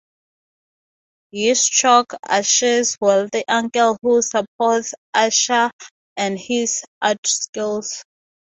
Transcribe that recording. Yitzchok-Asher's wealthy uncle who supports Asher and his art skills.